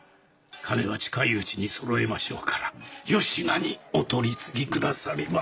金は近いうちにそろえましょうからよしなにお取り次ぎ下さりませ。